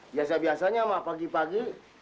biasa biasanya hai pig agih setelah